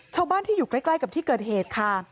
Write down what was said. ชาวบ้านที่อยู่ใกล้กับที่เกิดเหตุค่ะ